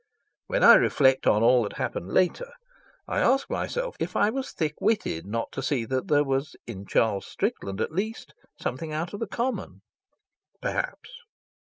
When I reflect on all that happened later, I ask myself if I was thick witted not to see that there was in Charles Strickland at least something out of the common. Perhaps.